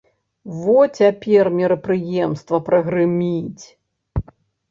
Во цяпер мерапрыемства прагрыміць!